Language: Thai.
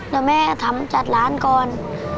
เดี๋ยวแม่ก็ทำจัดร้านก่อน